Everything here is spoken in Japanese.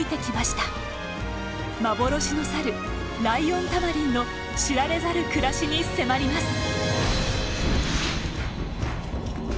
幻のサル・ライオンタマリンの知られざる暮らしに迫ります。